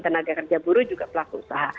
tenaga kerja buruh juga pelaku usaha